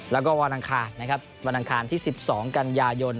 แล้วก็วันอังคารนะครับวันอังคารที่๑๒กันยายน